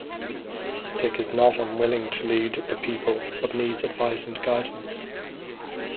Dick is not unwilling to lead the people, but needs advice and guidance.